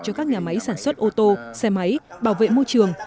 cho các nhà máy sản xuất ô tô xe máy bảo vệ môi trường